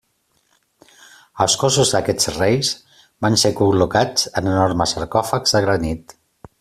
Els cossos d'aquests reis van ser col·locats en enormes sarcòfags de granit.